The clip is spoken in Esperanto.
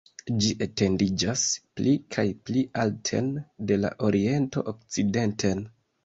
Ĝi etendiĝas pli kaj pli alten de la oriento okcidenten.